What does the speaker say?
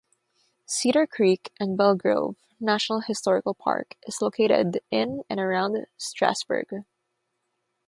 Cedar Creek and Belle Grove National Historical Park is located in and around Strasburg.